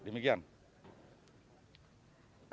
di wilayah kalimantan selatan demikian